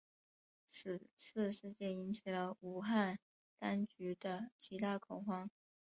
此次事件引起了武汉当局的极大恐慌。